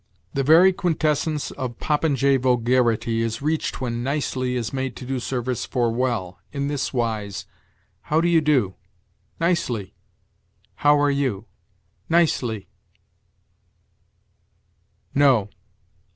The very quintessence of popinjay vulgarity is reached when nicely is made to do service for well, in this wise: "How do you do?" "Nicely." "How are you?" "Nicely." NO.